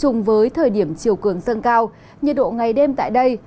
chung với thời điểm chiều cường dâng cao nhiệt độ ngày đêm tại đây